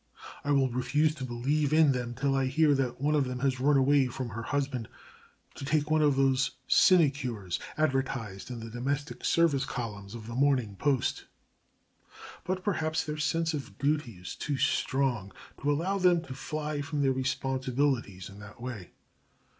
I will refuse to believe in them till I hear that one of them has run away from her husband to take one of those sinecures advertised in the domestic service columns of the Morning Post. But, perhaps, their sense of duty is too strong to allow them to fly from their responsibilities in that way.